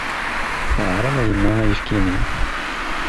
Teɛreḍ yemma ayefki-nni.